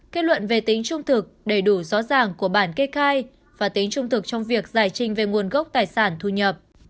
kết luận về tính trung thực đầy đủ rõ ràng của bản kê khai và tính trung thực trong việc giải trình về nguồn gốc tài sản thu nhập